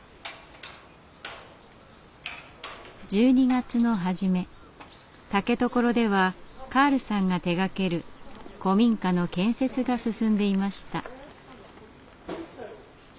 １２月の初め竹所ではカールさんが手がける古民家の建設が進んでいました。